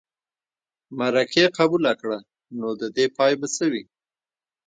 مرکې قبوله کړه نو د دې پای به څه وي.